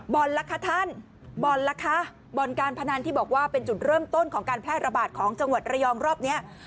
ล่ะคะท่านบ่อนล่ะคะบ่อนการพนันที่บอกว่าเป็นจุดเริ่มต้นของการแพร่ระบาดของจังหวัดระยองรอบเนี้ย